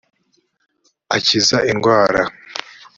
akiza indwara.